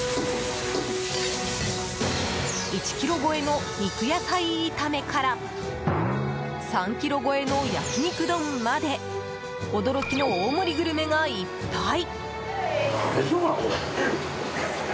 １ｋｇ超えの肉野菜炒めから３ｋｇ超えの焼肉丼まで驚きの大盛りグルメがいっぱい！